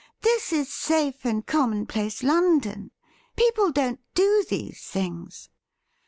This is safe and commonplace London. People don't do these things.'